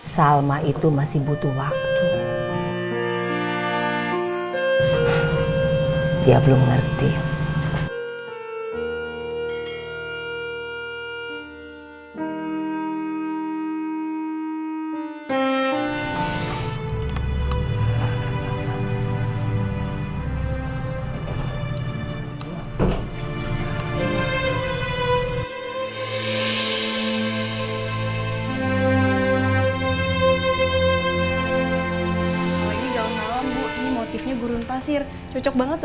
salma itu masih butuh waktu